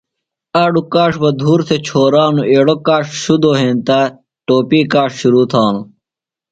آڈو کاڇ بہ دھور تھے چھورانو ایڑو کاڇ شدو ہینتہ تھے ٹوپی کاڇ شرو تھانو ۔